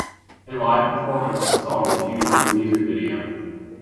A live performance of the song was used as a music video.